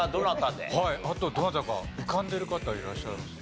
あとどなたか浮かんでる方いらっしゃいます？